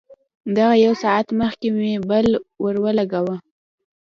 دغه يو ساعت مخکې مې بل ورولګاوه.